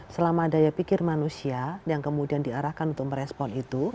selama daya pikir manusia yang kemudian diarahkan untuk merespon itu